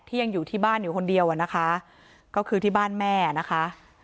ยังอยู่ที่บ้านอยู่คนเดียวอ่ะนะคะก็คือที่บ้านแม่นะคะ